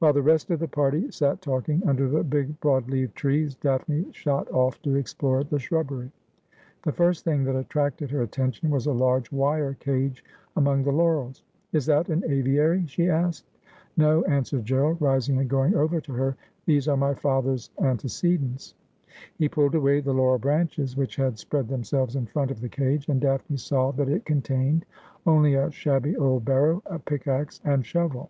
While the rest of the party sat talking under the big broad leaved trees, Daphne shot off to explore the shrubbery. The first thing that attracted her attention was a large wire cage among the laurels. ' Is that an aviary ?' she asked. ' No,' answered Gerald, rising and going over to her. ' These are my father's antecedents.' He pulled away the laurel branches which had spread them selves in front of the cage, and Daphne saw that it contained only a shabby old barrow, a pickaxe, and shovel.